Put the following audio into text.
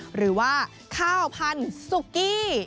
หรือว่าข้าวพันธุ์ซุกี้